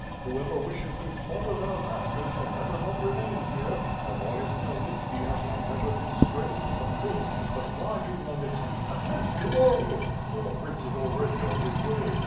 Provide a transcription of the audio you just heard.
Whoever wishes to slaughter their masters had better not remain here, as long as Khmyelnitski has not measured his strength with the prince, })ut fly to Khmyelnitski — at once, to morrow; for the prince is already on his way.